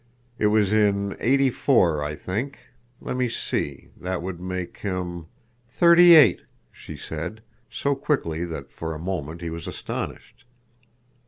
It was in Eighty four, I think. Let me see, that would make him—" "Thirty eight," she said, so quickly that for a moment he was astonished.